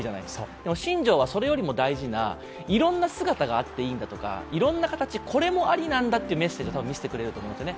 でも、新庄はそれよりも大事ないろんな姿があっていいんだとかいろんな形、これもありなんだというメッセージを見せてくれると思うんですね。